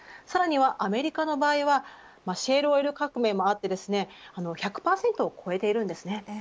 さらにアメリカの場合はシェールオイル革命もあって１００％を超えています。